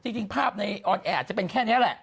จริงภาพในออนแอร์อาจจะเป็นแค่นี้แหละ